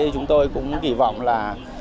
chúng tôi cũng kỳ vọng là